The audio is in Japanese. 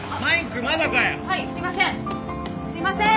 はいすいません！